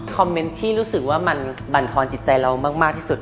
เมนต์ที่รู้สึกว่ามันบรรพรจิตใจเรามากที่สุด